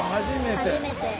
初めて。